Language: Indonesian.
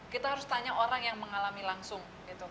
kita harus tanya orang yang mengalami langsung